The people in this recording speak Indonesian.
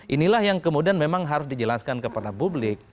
inilah yang kemudian memang harus dijelaskan kepada publik